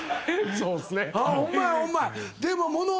そうですね。